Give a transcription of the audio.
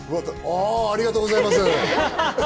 ありがとうございます。